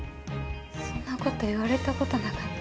そんなこと言われたことなかった。